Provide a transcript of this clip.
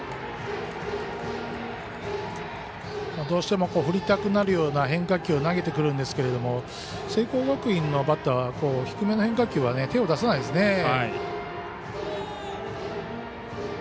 どうしても振りたくなるような変化球を投げてくるんですけど聖光学院のバッターは低めの変化球は手を出さないですね。